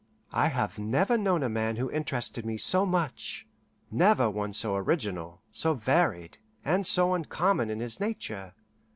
I have never known a man who interested me so much never one so original, so varied, and so uncommon in his nature.